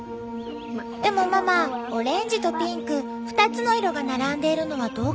でもママオレンジとピンク２つの色が並んでいるのはどうかしら。